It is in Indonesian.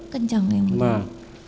kencang ya mulia